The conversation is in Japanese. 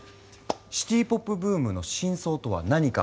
シティ・ポップブームの真相とは何か。